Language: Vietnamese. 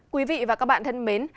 quý vị và các bạn thân mến